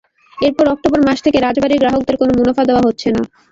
এরপর অক্টোবর মাস থেকে রাজবাড়ীর গ্রাহকদের কোনো মুনাফা দেওয়া হচ্ছে না।